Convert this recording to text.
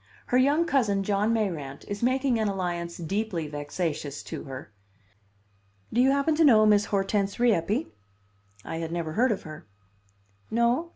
Her young cousin, John Mayrant, is making an alliance deeply vexatious to her. Do you happen to know Miss Hortense Rieppe?" I had never heard of her. "No?